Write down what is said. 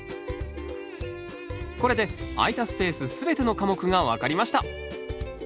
これで空いたスペース全ての科目が分かりました。